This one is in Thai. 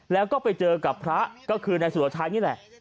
แล้วก็ไปเจอกับพระก็คือนายสุรชัยนี่แหละ